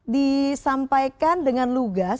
disampaikan dengan lugas